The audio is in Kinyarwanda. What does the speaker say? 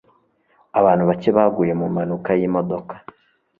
Abantu bake baguye mu mpanuka y'imodoka.